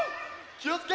きをつけ！